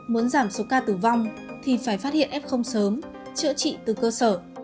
muốn giảm số ca tử vong thì phải phát hiện f sớm chữa trị từ cơ sở